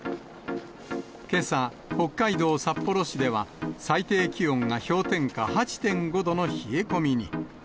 けさ、北海道札幌市では、最低気温が氷点下８．５度の冷え込みに。